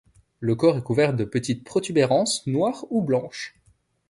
Le corps est couvert de petites protubérences noires ou blanches.